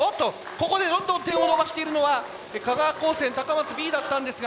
ここでどんどん点を伸ばしているのは香川高専高松Ｂだったんですが。